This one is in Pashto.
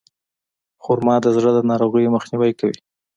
خرما د زړه د ناروغیو مخنیوی کوي.